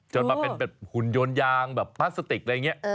จนมาเป็นแบบหุ่นโยนยางแบบพลาสติกอะไรอย่างนี้